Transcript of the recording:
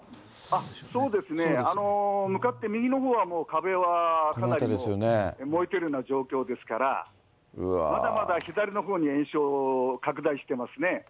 そうですね、向かって右のほうは壁のほうはかなりもう燃えてるような状況ですから、まだまだ左のほうに延焼拡大していますね。